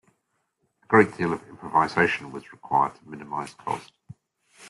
A great deal of improvisation was required to minimize cost.